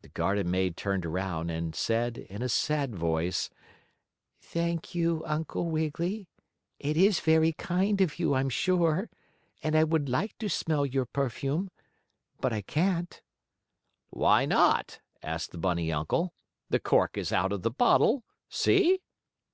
The garden maid turned around, and said in a sad voice: "Thank you, Uncle Wiggily. It is very kind of you, I'm sure, and I would like to smell your perfume. But I can't." "Why not?" asked the bunny uncle. "The cork is out of the bottle. See!"